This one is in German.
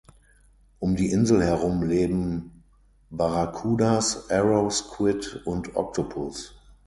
Um die Insel herum leben Barrakudas, Arrow squid und Octopus.